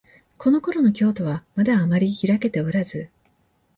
このころの京都は、まだあまりひらけておらず、